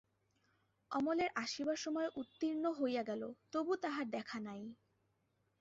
অমলের আসিবার সময় উত্তীর্ণ হইয়া গেল তবু তাহার দেখা নাই।